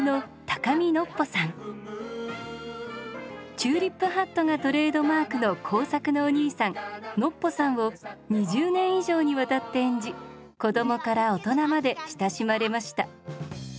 チューリップハットがトレードマークの工作のおにいさんノッポさんを２０年以上にわたって演じ子供から大人まで親しまれました。